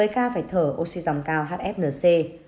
một mươi ca phải thở oxy dòng cao hfnc